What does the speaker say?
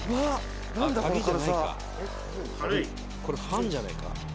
これファンじゃねえか？